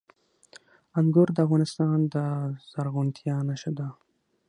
انګور د افغانستان د زرغونتیا نښه ده.